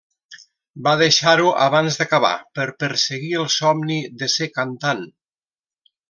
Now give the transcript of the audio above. Va deixar-ho abans d'acabar per perseguir el somni de ser cantant.